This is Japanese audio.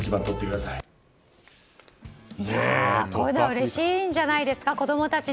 うれしいんじゃないですか？